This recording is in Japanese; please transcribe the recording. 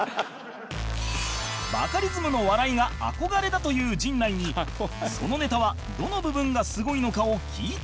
バカリズムの笑いが憧れだという陣内にそのネタはどの部分がすごいのかを聞いた